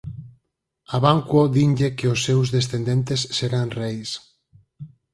A Banquo dinlle que os seus descendentes serán reis.